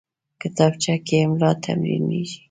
کتابچه کې املا تمرین کېږي